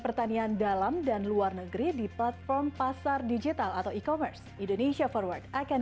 pertanian dalam dan luar negeri di platform pasar digital atau e commerce indonesia forward akan